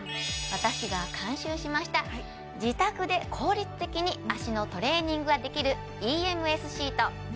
私が監修しました自宅で効率的に脚のトレーニングができるＥＭＳシート